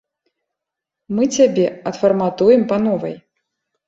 Мы цябе адфарматуем па новай.